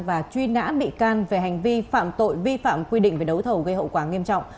và truy nã bị can về hành vi phạm tội vi phạm quy định về đấu thầu gây hậu quả nghiêm trọng